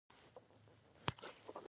ښارونه د افغان ماشومانو د لوبو موضوع ده.